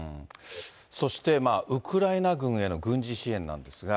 そしてウクライナ軍への軍事支援なんですが。